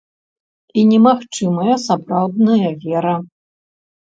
І не магчымая сапраўдная вера.